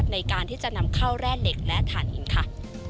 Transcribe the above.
ในการที่จะนำเข้าแร่เหล็กและฐานหินค่ะ